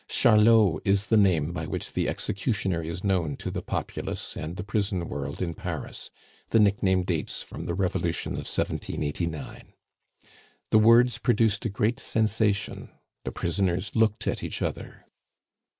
Charlot is the name by which the executioner is known to the populace and the prison world in Paris. The nickname dates from the Revolution of 1789. The words produced a great sensation. The prisoners looked at each other.